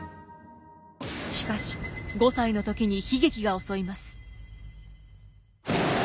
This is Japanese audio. しかし５歳の時に悲劇が襲います。